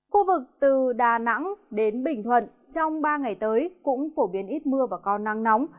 khu vực từ đà nẵng đến bình thuận trong ba ngày tới cũng phổ biến ít mưa và có nắng nóng